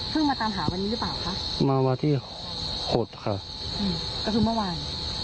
มาตามหาวันนี้หรือเปล่าคะมาวันที่หกค่ะอืมก็คือเมื่อวาน